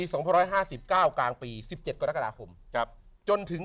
สองพันร้อยห้าสิบเก้ากลางปีสิบเจ็ดกรกฎาคมครับจนถึง